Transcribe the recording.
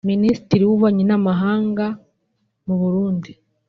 Minisitiri w’Ububanyi n’Amahanga mu Burundi